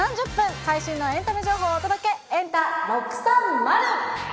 最新のエンタメ情報をお届け、エンタ６３０。